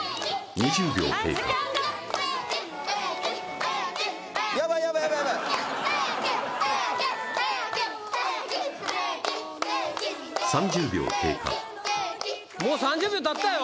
３０秒経過もう３０秒たったよ